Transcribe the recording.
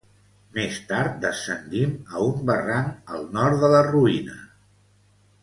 Més tard descendim a un barranc al nord de la ruïna.